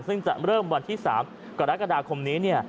ซึ่งจะเริ่มวันที่๓กรกฎาคมนี้